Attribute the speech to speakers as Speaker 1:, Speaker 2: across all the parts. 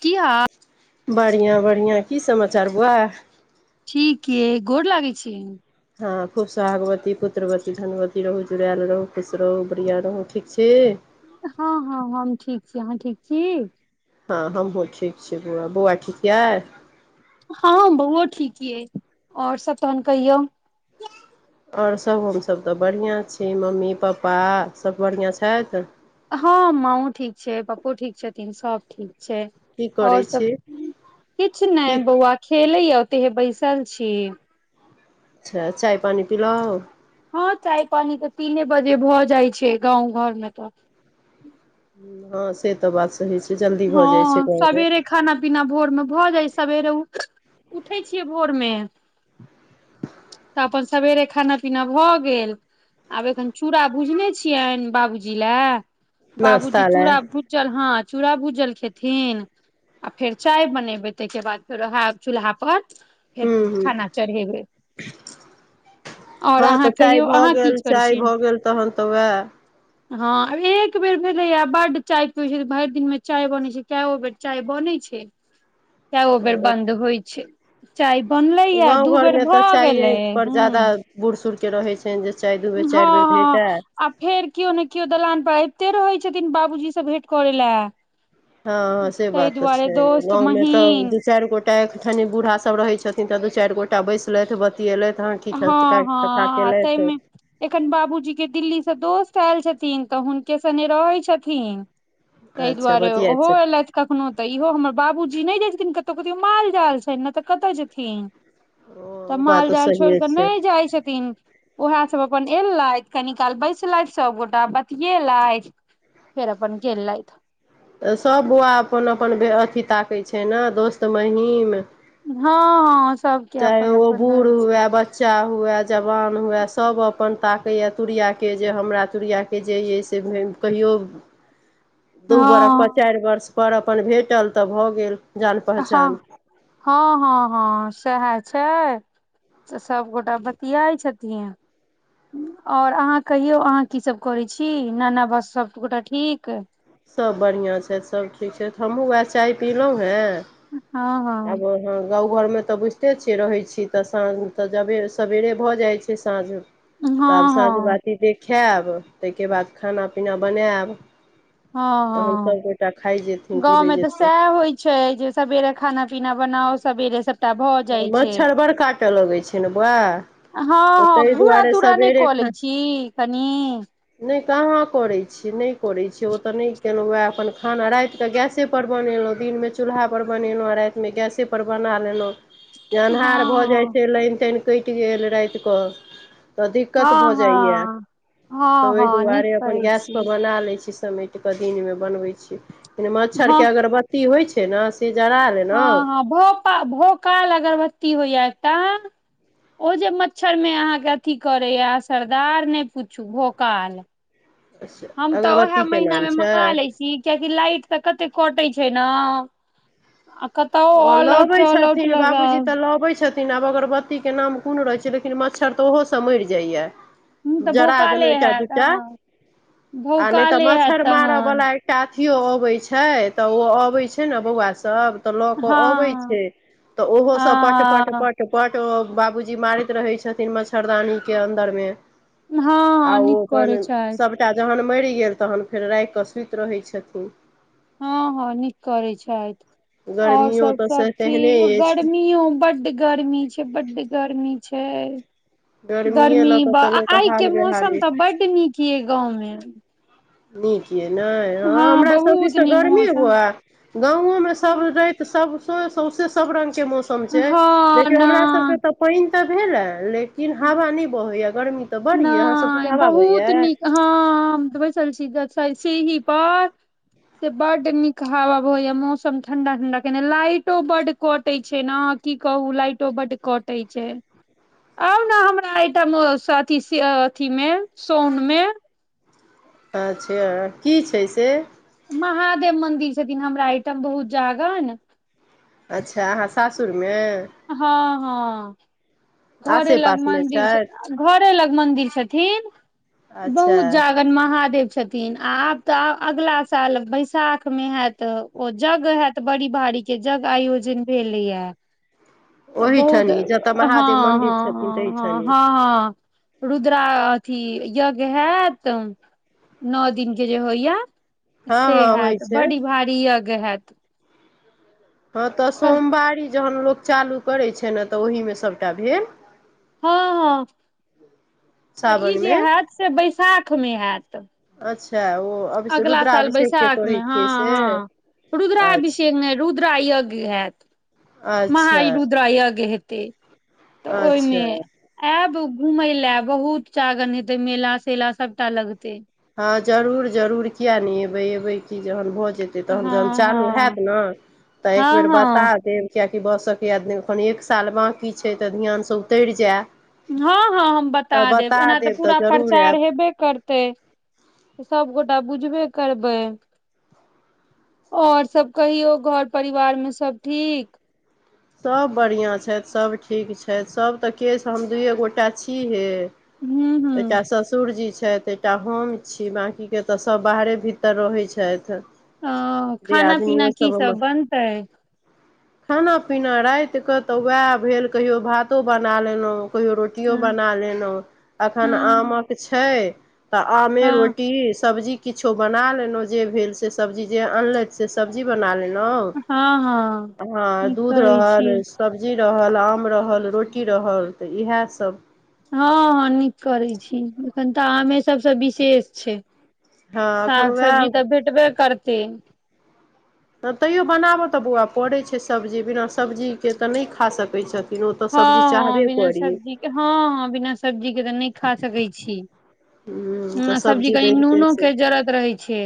Speaker 1: किया।
Speaker 2: बढ़िआँ बढ़िआँ कि समाचार बौआ।
Speaker 1: ठीक ये गोड़ लागै छिये।
Speaker 2: हाँ खूब सोहागवती पुत्रवती धनवती रहू जुड़ायल रहू खुश रहू बढ़िआँ रहू ठीक छै।
Speaker 1: हाँ, हाँ हम ठीक छी, अहाँ ठीक छै।
Speaker 2: हाँ हमहुँ ठीक छीयै, बौआ ठीक यऽ।
Speaker 1: हाँ बौओ ठीक यऽ है और सभ तहन कहियौ
Speaker 2: और सभ हम सभ तऽ बढ़िआँ छी मम्मी पप्पा सभ बढ़िआँ छैइथ।
Speaker 1: हाँ, माँ ओ ठीक छै, पप्पो ठीक, छथिन सभ ठीक छै।
Speaker 2: की
Speaker 1: और
Speaker 2: करै
Speaker 1: सभ
Speaker 2: छी
Speaker 1: किछु नहि
Speaker 2: की
Speaker 1: बौआ खेलेया ओते हे बैसल छी।
Speaker 2: अच्छा चाय पाइन पियौ
Speaker 1: हाँ चाय पानी तऽ तीने बजे भऽ जाई छै, गाव घर मे तऽ
Speaker 2: हाँ से तऽ बात सही छै, जल्दी भऽ जाइत छै घय मे
Speaker 1: बिना भोर मे भऽ जाई सबेरे उठ उठे छियै भोर मे तऽ अपन सबेरे खाना पीना भऽ गेल। आब ऐखन चूड़ा भूजने छियान बाबूजी लए बाबू जी
Speaker 2: नाश्ता लए
Speaker 1: चूड़ा भूजल ह, चूरा भूजल खेथिन आ फेर चाय बनेबै, ताहिके बाद फेर वह चूल्हापर फेर
Speaker 2: हूँ हूँ
Speaker 1: खाना चढे़बैए
Speaker 2: ह,
Speaker 1: अहाँ
Speaker 2: तऽ चाय
Speaker 1: कहियौ
Speaker 2: भऽ
Speaker 1: अहाँ की
Speaker 2: गेल
Speaker 1: करै
Speaker 2: चाय भऽ गेल तहन तऽ उएह
Speaker 1: ह, एक बेर भेलैया बड़ चाय पीबै छै, भरि दिन मे चाय बनै छै, कऽ ओ बेर चाय बनै छै, केओ बेर बन्द होई छै। चाय बनलै या
Speaker 2: गाँव
Speaker 1: दू बेर
Speaker 2: घरमे तऽ
Speaker 1: भऽ
Speaker 2: चाय
Speaker 1: गेलै
Speaker 2: पर
Speaker 1: हूँ।
Speaker 2: ज्यादा बूढ़ सूढ़के रहैत छैन जे चाय दू बेर
Speaker 1: हँ
Speaker 2: चारि बेर
Speaker 1: हँ
Speaker 2: भेटय
Speaker 1: आ फेर किओ ने किओ दलान पर अबिते रहै छथिन बाबू जी से भेट करय लए।
Speaker 2: हं हं से
Speaker 1: ताहि
Speaker 2: बात तऽ
Speaker 1: दुआरे
Speaker 2: छै
Speaker 1: दोस्त
Speaker 2: गाँव में तऽ
Speaker 1: महीन
Speaker 2: दू चारि गोट टाक छनि बूढ़ा सब रहय छथिन तऽ दू चारि गो टा बैसलथि बतिऐलथि हाँ की खा
Speaker 1: हँ
Speaker 2: कथा
Speaker 1: हँ
Speaker 2: केलथि
Speaker 1: ताहिमे एखन बाबू जी के दिल्ली सँ दोस्त आयल छथिन तऽ हुनके संगे रहै छथिन तहि
Speaker 2: अच्छा
Speaker 1: दुआरे
Speaker 2: बतियाइत
Speaker 1: ओहो
Speaker 2: छै
Speaker 1: ऐलथ कखनो तऽ इहो हमर बाबू जी नइ जाइ छथिन कतहु कतो माल जाल छै ने तऽ कतअ जेथिन तऽ
Speaker 2: ओ बात
Speaker 1: माल जाल छोइड़
Speaker 2: सहिए
Speaker 1: कऽ
Speaker 2: छै
Speaker 1: नय जाई छथिन ओएह सब अपन एलथि कनि काल बैसलथि सबगोटा बतिएलथि फेर अपन गेलइथ
Speaker 2: तऽ सब बौआ अपन अपन बे अथि ताकै छै न दोस्त महीम
Speaker 1: हँ हँ सबके
Speaker 2: चाहे
Speaker 1: अपन
Speaker 2: ओ
Speaker 1: अपन
Speaker 2: बूढ़
Speaker 1: रहै छै
Speaker 2: हुए बच्च च्चा हुए जवान हुए सब अपन ताकैए तूरीआके जे हमरा तूरीआके जे अइ से घुमि कहियो दू बरष पर
Speaker 1: हँ
Speaker 2: चारि वर्ष पर अपन भेटल तऽ भऽ गेल जान
Speaker 1: हँ
Speaker 2: पहचान
Speaker 1: हँ हँ हँ सेहै छै तऽ सबगोटा बतियाइ छथिन और आहाँ कहियौ अहाँ की सब करै छी नाना बस सब गोटा ठीक
Speaker 2: सभ बढ़िआँ छथि सब ठीक छथि हमहूँ उएह चाय पिलहुँ हे
Speaker 1: हाँ हाँ
Speaker 2: हँ गाँव घर में तऽ बुझिते छियै रहै छी तऽ साँझ तऽ जबे सबेरे भऽ जाइ छै साँझ तऽ आब
Speaker 1: हँ
Speaker 2: साँझ
Speaker 1: हँ
Speaker 2: बाती देखैब ताहिके बाद खाना पीना बनैब
Speaker 1: हँ
Speaker 2: तहन
Speaker 1: हँ
Speaker 2: सबगोटा खाय जेथिन
Speaker 1: गाँव
Speaker 2: पिबै
Speaker 1: में तऽ
Speaker 2: जेथिन
Speaker 1: सएह होइ छै जे सबेरे खाना पीना बनाओ सबेरे सब
Speaker 2: मच्छर बड़ काट लगै छै ने बौआ
Speaker 1: हँ
Speaker 2: तऽ
Speaker 1: हँ
Speaker 2: ताहि
Speaker 1: घूरा
Speaker 2: दुआरे
Speaker 1: तूरा नय कऽ लै छी कनी
Speaker 2: नय कहाँ करै छी नय करै छी ओ तऽ नय केलहुँ उएह अपन खाना राइत क गैस गैसेपर बनेलहुँ दिनमे चूल्हापर बनेलहुँ आ रातिमे गैसेपर बना लेलहुँ
Speaker 1: हँ
Speaker 2: अन्हार भऽ जाइ
Speaker 1: हँ
Speaker 2: छै लाइन ताानि कटि गेल रातिक कऽ तऽ दिक्कत
Speaker 1: हँ
Speaker 2: भऽ जाइया
Speaker 1: हँ
Speaker 2: तऽ
Speaker 1: हँ
Speaker 2: ओहि
Speaker 1: हँ नीक
Speaker 2: दुआरे अपन
Speaker 1: करै
Speaker 2: गैस
Speaker 1: छी
Speaker 2: पर बना ले छी समेट के दिन में बनवे छीयिन मच्छर के
Speaker 1: हँ
Speaker 2: अगरबत्ती होय छै ने से जरा
Speaker 1: हँ हँ
Speaker 2: लेलहुँ
Speaker 1: भोपा भोकाल अगरबत्ती होइया एकटाऽ ओ जे मच्छर में अहाँके अथी करे या सरदार नय पूछू भोकाल हम तऽ उएह
Speaker 2: अगरबत्तीके
Speaker 1: महीना
Speaker 2: नाम
Speaker 1: मे
Speaker 2: छै
Speaker 1: मंगा लै छी कियाकि लाइट तऽ कते कटे छै ने अक तऽ ओ ऑल आउट
Speaker 2: लबै
Speaker 1: च ऑल आउट
Speaker 2: छथिन
Speaker 1: लगा
Speaker 2: बाबूजी तऽ लबै छथि लिन आब अगरबत्तीके नाम कोन रहैत छै लेकिन मच्छर तऽ ओहोसँ मरि जाइए
Speaker 1: ह तऽ
Speaker 2: जरा
Speaker 1: भौकाले
Speaker 2: दनहु एकटा
Speaker 1: हैत
Speaker 2: दूटा
Speaker 1: हँ
Speaker 2: आ नहि तऽ
Speaker 1: भौकाले हैत
Speaker 2: मच्छर मारऽ
Speaker 1: तहन
Speaker 2: बला एक टा अथियो अबै छै तऽ ओ अबै छै न बौआ सब तऽ लऽ केऽ अबै
Speaker 1: हँ
Speaker 2: छै तऽ ओहो सब पट
Speaker 1: हँ
Speaker 2: पट पट पट ओ बाबूजी मारैत रहे छथिन मच्छरदानी के अन्दर मे
Speaker 1: हँ हँ
Speaker 2: आउ ओ
Speaker 1: नीक
Speaker 2: अपन
Speaker 1: करै छथि
Speaker 2: सब टा जहन मरि गेल तहन फेर राखि कऽ सुति रहै छथिन
Speaker 1: हँ हँ नीक करै छै आओर
Speaker 2: गर्मियो
Speaker 1: सब
Speaker 2: तऽ से
Speaker 1: सब
Speaker 2: तेहने
Speaker 1: ठीक
Speaker 2: अछि
Speaker 1: गर्मीयों बड्ड गर्मी छै, बडी गरमी छै।
Speaker 2: गर्मिए
Speaker 1: गर्मी
Speaker 2: लऽ कऽ
Speaker 1: बे
Speaker 2: तऽ लोकके
Speaker 1: आइ के
Speaker 2: हाल बेहाल अछि
Speaker 1: मौसम तऽ बड्ड नीक ये गाव मे
Speaker 2: निक ये नहि हँ हमरा सभके
Speaker 1: बहुत
Speaker 2: से
Speaker 1: नीक
Speaker 2: गर्मी
Speaker 1: मौसम
Speaker 2: हुए गाव मे सभ
Speaker 1: हँ
Speaker 2: र सौस सौसे सभ रंग के मौसम छै देखियऔ हमरा सभके
Speaker 1: नय
Speaker 2: तऽ पाइन तऽ भेलै लेकिन हवा नहि बहैया गर्मी तऽ बड़ य अहाँ सभ
Speaker 1: नय
Speaker 2: तुछु हवा अबैया
Speaker 1: बहुत नीक हँ, हम तऽ बैसल चल छी स ही प से बड निक हवा होया मौसम ठंडा ठंडा केने लाइटो बड कटे छै, ने। कि कहू लाइटो बड कटे छै।
Speaker 2: ह।
Speaker 1: आउ ने हमरा एहिठ अथि मे सोन मे
Speaker 2: अच्छा कि छै से।
Speaker 1: महादेव मंदिर छथिन हमरा एहिठाम बहुत जागह ने।
Speaker 2: अच्छा अहाँ सासुर मे
Speaker 1: हँ, हँ। घरे
Speaker 2: आसे
Speaker 1: लंग
Speaker 2: पासमे
Speaker 1: मंदिर
Speaker 2: छथि
Speaker 1: घरे लंग मंदिर छथिन
Speaker 2: अच्छा
Speaker 1: बहुत जादा अपन महादेव छथिन आ आब तऽ अगिला साल वैसाख मे होयत तऽ ओ जगञ हयत बड़ी भारी के जग आयोजन भेलेया
Speaker 2: ओहिठन जतऽ महादेव मन्दिर छथिन तहिठनि
Speaker 1: ह, रुद्रा अथि यज्ञ होयत। नओ दिनके जे होइया
Speaker 2: हँ
Speaker 1: से
Speaker 2: हँ होइ
Speaker 1: होयत
Speaker 2: छै
Speaker 1: बड़ी भारी यज्ञ होयत
Speaker 2: हँ, तऽ सोमवारी जहन लोक चालू करै छै, ने तऽ ओहि मे सभटा भेल
Speaker 1: हँ, हँ, पर ई जे
Speaker 2: सावनमे
Speaker 1: हयत से बैशाख मे होयत।
Speaker 2: अच्छा ओ। अभिष
Speaker 1: अगला साल
Speaker 2: रुद्राभिषेक के
Speaker 1: बैशाखमे
Speaker 2: कहै छियै
Speaker 1: हँ,
Speaker 2: से
Speaker 1: हँ। रुद्रा
Speaker 2: अच्छा
Speaker 1: अभिषेक नहि रुद्र यज्ञ होयत
Speaker 2: अच्छा
Speaker 1: महारुद्राय यज्ञा हेते तऽ ओहिमे
Speaker 2: अच्छा
Speaker 1: आयब घूमय लए बहुत जगर हेते मेला सेला सभटा लगते।
Speaker 2: हँ, जरूर जरूर किया नहि एबै एबै कि जहन भऽ जेतै
Speaker 1: हँ
Speaker 2: तहन, जहन चालू होयत
Speaker 1: हँ
Speaker 2: ने तऽ एक
Speaker 1: हँ
Speaker 2: बेर बता
Speaker 1: हँ
Speaker 2: देब किएकि बसके यद एखन एक साल बाँकी छै। तऽ ध्यानसँ उतरि जाय
Speaker 1: हँ, हँ, हम बता देब एना तऽ पूरा प्रचार हेबे करतै। त सभगोटा बुझबे करबै और सभ कहियौ घर परिवार मे सभ ठीक
Speaker 2: सभ बढ़िआँ छथि, सभ ठीक छथि, सभ तऽ केश हम दुइए गोटा छी हे।
Speaker 1: हूँ हूँ
Speaker 2: एकटा ससुर जी छै। एकटा हमम छी, बाँकी के तऽ सभ बाहरे भीतर रहैत छथि
Speaker 1: अ खाना
Speaker 2: दियादनियो
Speaker 1: पीना कि
Speaker 2: सब हमर
Speaker 1: सभ बनतै
Speaker 2: खाना। पीना राति कऽ तऽ वएह भेल कहियो भातो बना लेलहुँ कहियो रोटी कटो
Speaker 1: हँ
Speaker 2: बना लेलहुँ अखन आम
Speaker 1: हँ
Speaker 2: कऽ छै। तऽ आमे
Speaker 1: हँ
Speaker 2: रोटी सब्जी। किछो बना लेलो जे भेल से सब्जी जे अनलथि से सब्जी बना लेलो। हँ,
Speaker 1: हँ
Speaker 2: ह।
Speaker 1: नीक
Speaker 2: दूध
Speaker 1: करै छी
Speaker 2: रहल सब्जी रहल आम रहल रोटी रहल तऽ इएह सभ।
Speaker 1: हँ, हँ, निक करैत छी एखन तऽ आमे सभसँ विशेष छै।
Speaker 2: हँ एखन
Speaker 1: साग
Speaker 2: वएह
Speaker 1: सब्जी तऽ भेटबे करतै
Speaker 2: तैयो बनाबऽ तऽ बौआ पड़ैत छै सब्जी बिना सब्जीके तऽ नहि खा सकैत छथि
Speaker 1: हँ हँ बिना सब्जी के हँ हँ बिना सब्जी के तऽ नहि खा सकै छी
Speaker 2: तऽ
Speaker 1: ह सब्जी कनि
Speaker 2: बनिते छै
Speaker 1: नूनोके जरत रहै छै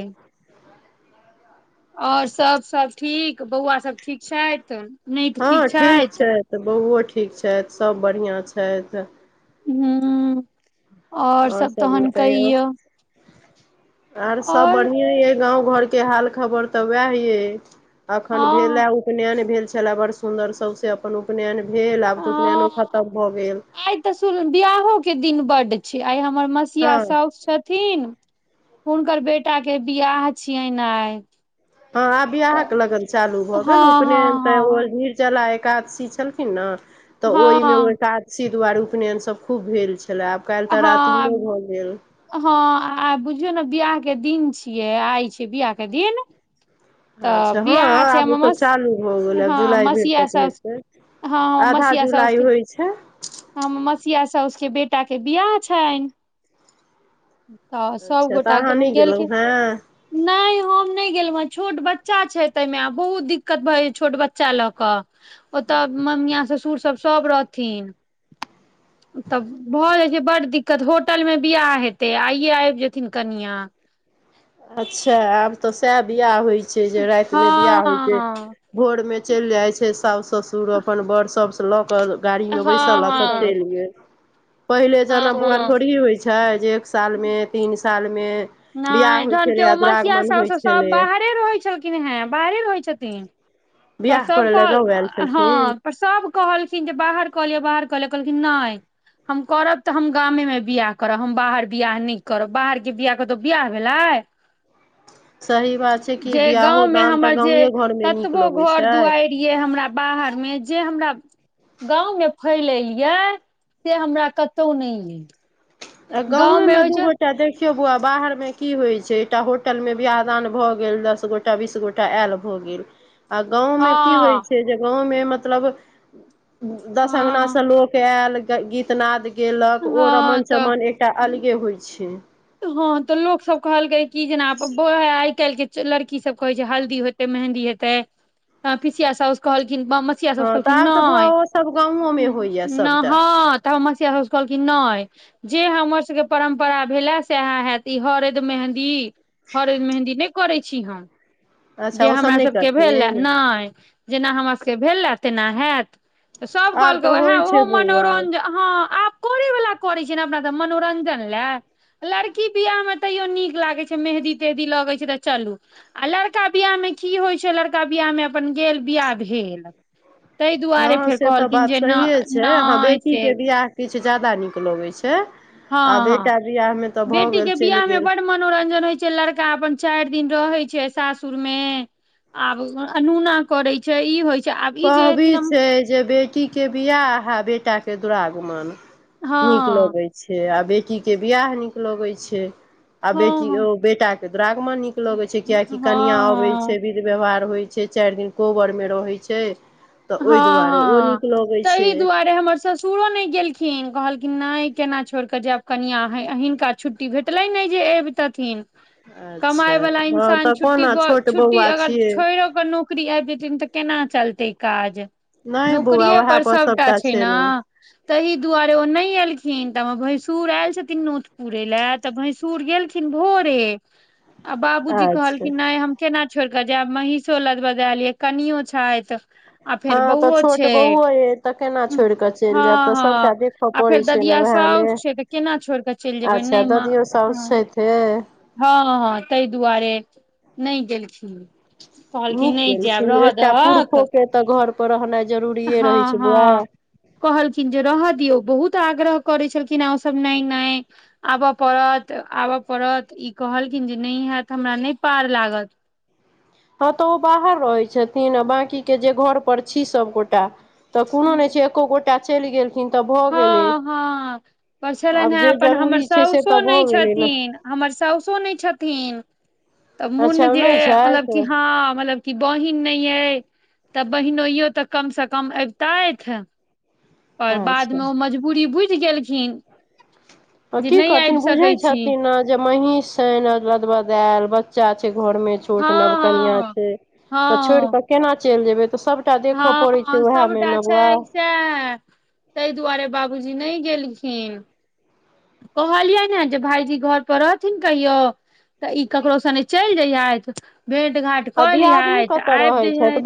Speaker 1: ओर सब सब ठीक बौआ सब ठीक छैथ नै त ठीक छैथ
Speaker 2: तऽ बौओ ठीक छैथ सभ बढ़िआँ छैथ
Speaker 1: ह और
Speaker 2: आओर
Speaker 1: सब
Speaker 2: सभ
Speaker 1: तहन
Speaker 2: कहियौ
Speaker 1: कहियो
Speaker 2: आर सभ बढ़िएँ अइ गाँव घरके हाल खबर तऽ उएह यइ अखन
Speaker 1: हँ
Speaker 2: भेलए उपनयन भेल छलाए बड़ सुदर सौसे अपन उपनयन भेल आब तऽ उपनयनो
Speaker 1: हँ
Speaker 2: खतम भऽ गेल
Speaker 1: आइ तऽ सु बियाहो के दिन बड्ड छै आइ हमर
Speaker 2: हँ
Speaker 1: मसिया सौस छथिन हुनकर बेटा के बियाह छियै न आई
Speaker 2: हँ आब बिआहक लगन चालू भऽ गेल
Speaker 1: हँ हँ
Speaker 2: उपनयन तऽ
Speaker 1: हँ
Speaker 2: चला एकादशी छलखिन न तऽ ओहिमे
Speaker 1: हँ
Speaker 2: एका सी दुआरे उपनयनसभ खूब भेल छलै आब काल्हि तऽ
Speaker 1: हँ
Speaker 2: रातिमो भऽ गेल
Speaker 1: हँ आ बुझियौ न बिआह के दिन छियै आइ छ बियाह के दिन तऽ
Speaker 2: अच्छा हँ
Speaker 1: बिआह छै
Speaker 2: आब ओ तऽ
Speaker 1: मस
Speaker 2: चालू भऽ गेलै आब
Speaker 1: हँ
Speaker 2: जुलाई भरि
Speaker 1: मसिया
Speaker 2: तक
Speaker 1: सब
Speaker 2: हेतै
Speaker 1: हँ हँ
Speaker 2: आधा
Speaker 1: मसीहा
Speaker 2: जुलाई
Speaker 1: सौसके
Speaker 2: होइ छै
Speaker 1: हम मसिया सौस के बेटाके बियाह छनि तऽ
Speaker 2: अच्छा तऽ
Speaker 1: सभगोटा
Speaker 2: अहाँ नहि गेलहुँ
Speaker 1: गेलखिन
Speaker 2: हेँ
Speaker 1: नय हम नय गेलुहँ छोट बच्चा छै तै मे आब बहुत दिक्कत भए छै छोट बच्चा लऽ क ओतऽ ममिया ससुर सब सब रहथिन तब भऽ जाइ छै बड दिक्कत होटल मे बियाह हेतै आइे आबि जेथिन कनिआ
Speaker 2: अच्छा आब तऽ सएह बियाह होइत छै जे रातिमे बियाह
Speaker 1: हँ
Speaker 2: होइत छै
Speaker 1: हँ
Speaker 2: भोरमे चैल जाइ छै सौस ससुर अपन बड़ सबसँ लऽ कऽ गाड़ी मे बैसल सब
Speaker 1: हँ हँ
Speaker 2: चल गेल पहिले
Speaker 1: हँ
Speaker 2: जाना बौआ
Speaker 1: हँ
Speaker 2: थोड़ी होइ छै छै जे एक सालमे तीन सालमे बियाह
Speaker 1: नहि
Speaker 2: होइ
Speaker 1: जन कि ओ
Speaker 2: छलैए
Speaker 1: मसिया
Speaker 2: दुरागमन होइ
Speaker 1: सबसँ सब
Speaker 2: छलैए
Speaker 1: बाहरे रहैत छलखिन हे बाहरे रहैत छथिन
Speaker 2: बियाह
Speaker 1: परसव
Speaker 2: करय लए
Speaker 1: कहल
Speaker 2: गाँव आयल छलखिन
Speaker 1: हँ पर सभ कहलखिन जे बाहर कहलिय बाहर कहलिय कहलखिन नय हम करब तऽ हम गामे मे बिआह करब हम बाहर बिआाह नहि करब बाहर के बिआह करतौ बिआह भेलै
Speaker 2: सही बात छै कि
Speaker 1: जे
Speaker 2: बियाहो
Speaker 1: गाँवमे
Speaker 2: दान तऽ
Speaker 1: हमर जे
Speaker 2: गावे घरमे नीक
Speaker 1: कतबो
Speaker 2: लगै
Speaker 1: घर
Speaker 2: छै
Speaker 1: दुआरि हमरा बाहर मे जे हमरा गाव मे फैल एल य से हमरा कतौ नहिले यै
Speaker 2: आ गांव मे दू गोटा देख देखियौ बौआ बाहर मे की होइ छै एकटा होटल मे ब्याह दान भए गेल दस गोटा बीस गोटा टा आयल भऽ गेल आ गाँमे की होइ
Speaker 1: हँ
Speaker 2: छै जे गाँमे मतलब दश अंगना
Speaker 1: हँ
Speaker 2: स लोक आयल गीतनाद गेलक ओ
Speaker 1: हँ
Speaker 2: रमन
Speaker 1: तऽ
Speaker 2: चमन एकटा अलगे होइ छै
Speaker 1: हँ तऽ लोक सब कहलकै कि जेना आइ काल्हि के लड़की सब कहे छै हल्दी हो मेहन्दी हे तै पिलाया सौस कहलखिन ब मसिया सौस सब
Speaker 2: हँ तऽ
Speaker 1: कहलखिन
Speaker 2: आब तऽ बौआ
Speaker 1: नहि
Speaker 2: ओ सब गाँवो मे होइया सबटा
Speaker 1: नहत तब हम मसिया स कहलकी न जे हमर सबके परम्परा भेएले सएह हयत ई हरद मेहदी हरद मेहदी नहि करै छी हम जे
Speaker 2: अच्छा ओ सब
Speaker 1: हमरा
Speaker 2: नहि
Speaker 1: सबके भेलए
Speaker 2: करथिन
Speaker 1: नय जेना हमरा सबके भेलए तेना हैत सब
Speaker 2: आब
Speaker 1: कहलके
Speaker 2: तऽ
Speaker 1: ओहे
Speaker 2: होइ छै
Speaker 1: ओहो
Speaker 2: बौआ
Speaker 1: मनोरंजन हँ आब करेय वला करै छै न अपना तऽ मनोरंजन लए लड़की बियाह मे तैयो नीक लागय छै मेहदी तेहदी लगे छै तऽ चलू आ लड़का बियाहमे की होइ छै लड़का बियाहमे अपन गेल बियाह भेल तहि दुआरे
Speaker 2: हँ
Speaker 1: फेर
Speaker 2: से तऽ
Speaker 1: कहलखिन
Speaker 2: बात
Speaker 1: जे नहि नहि से
Speaker 2: किछ ज्यादा नीक लगै छै आ
Speaker 1: हँ हँ
Speaker 2: बेटा बिआहमे तऽ भऽ
Speaker 1: बेटी के
Speaker 2: गेल चलि
Speaker 1: बियाह में
Speaker 2: गेल
Speaker 1: बड मनोरंजन होइ छै लड़का अपन चाइर दिन रहै छै सासुर में आब अनूना करय छै ई होइ छै आब ई जे
Speaker 2: कहबी
Speaker 1: हेथिन हम
Speaker 2: छै जे बेटी के बियाह हा बेटा के दुरागमन
Speaker 1: हँ
Speaker 2: नीक लगे छै छै आ बेटी के बियाह नीक लगे छै आ बेटी
Speaker 1: हँ
Speaker 2: ओ बेटा के दुरागमन नीक की लगैत छै किियकि
Speaker 1: हँ
Speaker 2: कनिआँ अबैत
Speaker 1: हँ
Speaker 2: छै विधि व्यवहार होइत छै चारि दिन कोबरमे रहैत छै तऽ
Speaker 1: हँ
Speaker 2: ओहि दुआरे ओ
Speaker 1: हँ
Speaker 2: नीक लगै छै
Speaker 1: तहि दुआरे हमर ससुरो नहि गेलखिन कहलखिन नहि केना छोड़ के जेयब कनिया हैा छुट्ी भेटल ह नहि जे पितथिन
Speaker 2: अच्छा
Speaker 1: कमाइ वला
Speaker 2: हँ
Speaker 1: इन्सान
Speaker 2: तऽ
Speaker 1: छुट्टी
Speaker 2: कोना छोट
Speaker 1: छुट्टी
Speaker 2: बौआ
Speaker 1: अगर
Speaker 2: छियै
Speaker 1: छोइरो क नो करी आबि जेतन तऽ केना चलतै काज
Speaker 2: नहि बौआ
Speaker 1: नौकरीये
Speaker 2: उएह
Speaker 1: पर सबटा
Speaker 2: सभटा
Speaker 1: छै न
Speaker 2: ने
Speaker 1: तहि दुआरे ओ नहि एलखिन तऽ हम भैंसुर एयल छथिन नोथपुरे ले तऽ भैंसुर गेलखिन भोरे
Speaker 2: ह
Speaker 1: आ बाबूजी कहलखिन नहि हम केना छोड़ कऽ जायब महीषो लदब द लिय कनियो छथि आ फेर
Speaker 2: हँ तऽ
Speaker 1: बौउओ
Speaker 2: छोट
Speaker 1: छै
Speaker 2: बौओ अइ तऽ केना
Speaker 1: हँ
Speaker 2: छोड़ि कऽ चलि
Speaker 1: हँ
Speaker 2: जायब तऽ सभटा देखय
Speaker 1: आ फेर
Speaker 2: पड़ैत छै ने
Speaker 1: ददिया सा
Speaker 2: उएहमे
Speaker 1: त केना छोड़ क चल जेबै ने
Speaker 2: अच्छा
Speaker 1: माँ
Speaker 2: ददियो साउस
Speaker 1: हँ
Speaker 2: छथि हे।
Speaker 1: ह तहि दुआरे नहि गेलखिन कहलखिन नय जैब रह दहक
Speaker 2: ते त घर पर रहनाइ जरूरिये रहै
Speaker 1: हँ
Speaker 2: छै बौआ
Speaker 1: हँ कहलखिन जे रह दियौ बहुत आग्रह करै छलखिन आ सब नय नय आब पड़त आब पड़त ई कहलखिन जे नइ हैत हमरा नइ पार लागत
Speaker 2: हँ तऽ ओ बाहर रहै छथिन आ बाँकी के जे घर पर छी सबगोटा त कोनो नय छै एको गोटा चलि गेल
Speaker 1: हँ हँ
Speaker 2: आब जे
Speaker 1: [unintelligible] अपन हमर
Speaker 2: जरूरी छै से
Speaker 1: साउसो
Speaker 2: तऽ
Speaker 1: नहि
Speaker 2: भऽ गेलै ने
Speaker 1: छथिन हमर साउसो नहि छथिन तऽ
Speaker 2: अच्छा
Speaker 1: मन जे
Speaker 2: नहि
Speaker 1: मतलब
Speaker 2: छथि
Speaker 1: क हँ मतलब कि बहिन नहि अइ तऽ बहिनोयो तऽ कम से कम अबत आर बादमे
Speaker 2: अच्छा
Speaker 1: ओ मजबुरी बुझि गेलखिन जे
Speaker 2: की
Speaker 1: नहि
Speaker 2: करथिन
Speaker 1: आबि
Speaker 2: बुझै
Speaker 1: सकै छी
Speaker 2: छथिन ने जे महींष नद बदबद आयल बच्चा छै घर में छोट
Speaker 1: हँ
Speaker 2: नव कनिया
Speaker 1: हँ
Speaker 2: छै त छोड़
Speaker 1: हँ
Speaker 2: के केना चलि जेबै त सभटा देखे पड़ैत छै उएह मे नबैआ
Speaker 1: तए तहि दुआरे बाबूजी नहि गेलखिन कहलियै ने जे भायजी घर पर रहथिन कहियौ त ई ककरो संने चलि जैयैत भेंट घाट क
Speaker 2: दियादनी
Speaker 1: लिहैत
Speaker 2: कतय
Speaker 1: आबि
Speaker 2: रहैत
Speaker 1: जइहइत
Speaker 2: छथि